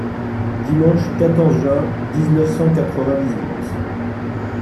Dimanche quatorze juin dix-neuf cent quatre-vingt-dix-huit.